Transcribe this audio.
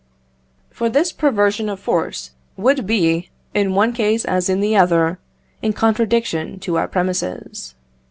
For this perversion of force would be, in one case as in the other, in contradiction to our premises.